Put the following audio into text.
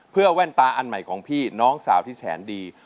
เพื่อแว่นตาอันใหม่ของพี่น้องสาวที่แสนดี